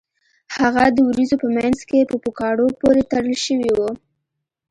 هغه د ورېځو په مینځ کې په پوکاڼو پورې تړل شوی و